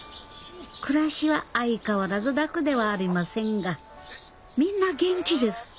暮らしは相変わらず楽ではありませんがみんな元気です。